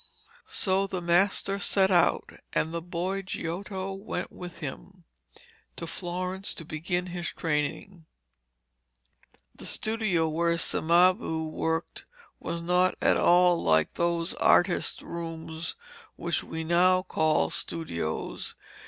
So the master set out, and the boy Giotto went with him to Florence to begin his training. The studio where Cimabue worked was not at all like those artists' rooms which we now call studios.